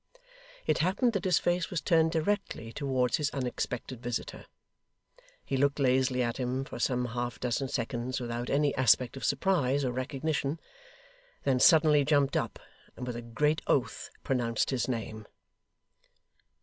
It happened that his face was turned directly towards his unexpected visitor. He looked lazily at him for some half dozen seconds without any aspect of surprise or recognition; then suddenly jumped up, and with a great oath pronounced his name.